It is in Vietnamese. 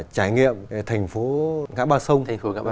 trải nghiệm thành phố ngã ba sông